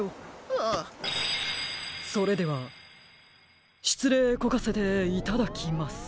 それではしつれいこかせていただきます。